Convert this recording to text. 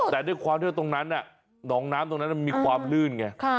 แต่ด้วยความที่ว่าตรงนั้นหนองน้ำตรงนั้นมันมีความลื่นไง